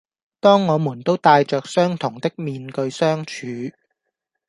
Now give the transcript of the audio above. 當我們都帶着相同的面具相處